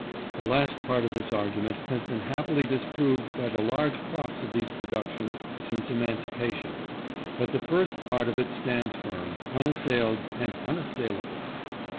The last part of this argument has been happily disproved by the large crops of these productions since Emancipation; but the first part of it stands firm, unassailed, and unassailable.